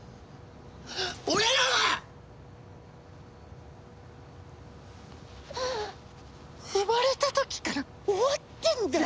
俺らは生まれた時から終わってんだよ！